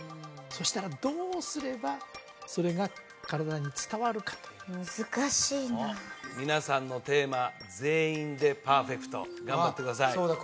そしたらどうすればそれが体に伝わるかと難しいな皆さんのテーマ全員でパーフェクト頑張ってくださいそうだ